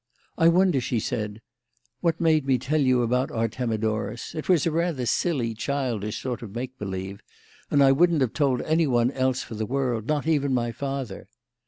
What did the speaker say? "I wonder," she said, "what made me tell you about Artemidorus. It was a rather silly, childish sort of make believe, and I wouldn't have told anyone else for the world; not even my father.